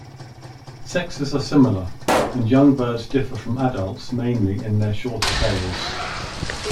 Sexes are similar, and young birds differ from adults mainly in their shorter tails.